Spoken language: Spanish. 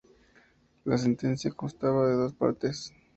La sentencia constaba de dos partes.